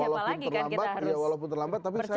walaupun terlambat walaupun terlambat tapi saya yakin